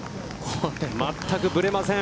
全くぶれません。